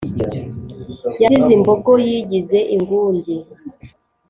yazize imbogo yigize ingunge